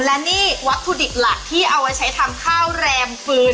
และนี่วัตถุดิบหลักที่เอาไว้ใช้ทำข้าวแรมฟืน